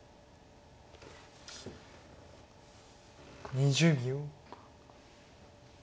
２０秒。